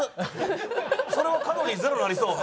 それはカロリーゼロになりそう。